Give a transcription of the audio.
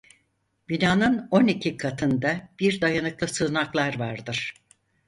Binanın on iki katında bir dayanıklı sığınaklar vardır.